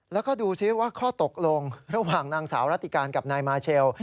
แล้วก็ดูซิว่าข้อตกลงระหว่างนางสาวรัติการกับนายมาเชล